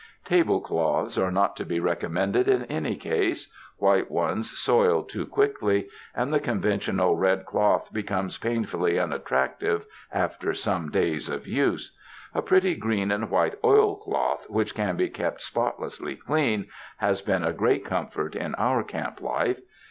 Table cloths are not to be recommended in any case ; white ones soil too quickly, and the conventional red cloth becomes painfully unattractive after some days of use. A pretty green and white oilcloth, which can be kept spotlessly clean, has been a great com fort in our camp life.